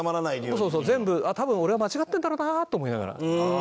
そうそうそう全部多分俺は間違ってるんだろうなと思いながら。